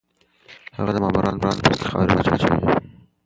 هغه د مامورانو په سترګو کې خاورې واچولې.